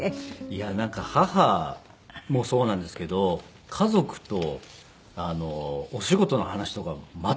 いやなんか母もそうなんですけど家族とお仕事の話とか全くしないんですよ。